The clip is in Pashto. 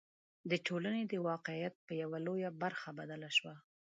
د ټولنې د واقعیت په یوه لویه برخه بدله شوه.